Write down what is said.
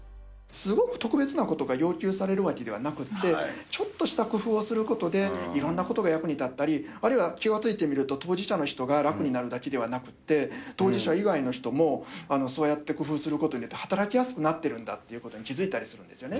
すごく特別なことが要求されるわけではなくって、ちょっとした工夫をすることで、いろんなことが役に立ったり、あるいは気が付いてみると当事者の人が楽になるだけではなくて、当事者以外の人もそうやって工夫することによって、働きやすくなってるんだということに気付いたりするんですよね。